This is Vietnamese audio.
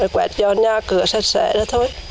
quẹt cho nhà cửa sạch sẽ đó thôi